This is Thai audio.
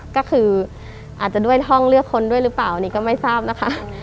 ก็คืออาจจะด้วยห้องเลือกคนด้วยหรือเปล่านี่ก็ไม่ทราบนะคะ